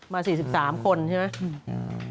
มา๔๓คนใช่ไหม